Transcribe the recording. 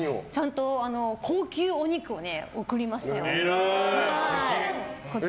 高級お肉を贈りましたよ。